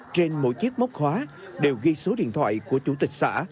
trên mỗi chiếc móc khóa đều ghi số điện thoại của chủ tịch xã